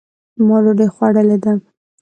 ما ډوډۍ خوړلې ده